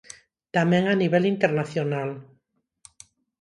Tamén a nivel internacional.